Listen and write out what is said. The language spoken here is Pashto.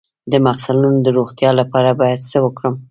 د مفصلونو د روغتیا لپاره باید څه وکړم؟